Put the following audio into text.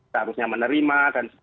seharusnya menerima dan